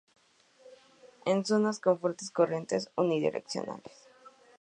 En zonas con fuertes corrientes unidireccionales.